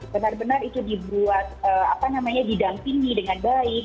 benar benar itu dibuat apa namanya didampingi dengan baik